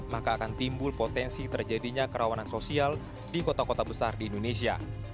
maka akan timbul potensi terjadinya kerawanan sosial di kota kota besar di indonesia